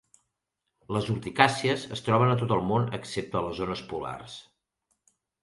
Les urticàcies es troben a tot al món excepte les zones polars.